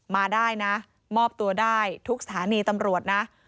มาได้นะมอบตัวได้ทุกสถานีตำรวจนะ